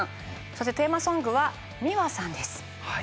そしてテーマソングはｍｉｗａさんです。